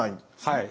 はい。